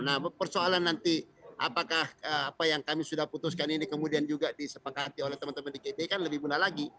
nah persoalan nanti apakah apa yang kami sudah putuskan ini kemudian juga disepakati oleh teman teman di kb kan lebih mudah lagi